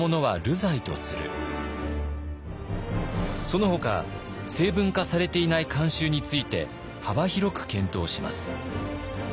そのほか成文化されていない慣習について幅広く検討します。